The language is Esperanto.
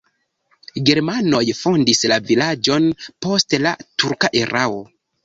Germanoj fondis la vilaĝon post la turka erao.